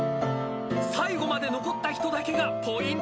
最後まで残った人だけがポイントとなります。